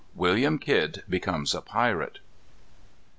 _William Kidd becomes a Pirate.